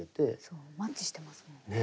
そうマッチしてますもんね。